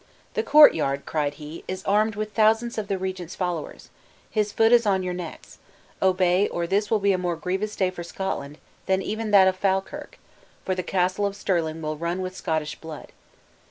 "The courtyard," cried he, "is armed with thousands of the regent's followers, his foot is on your necks, obey, or this will be a more grievous day for Scotland than even that of Falkirk; for the Castle of Stirling will run with Scottish blood!"